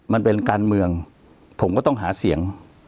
มันเป็นการเมืองผมก็ต้องหาเสียง